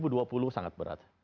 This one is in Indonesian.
dua ribu dua puluh sangat berat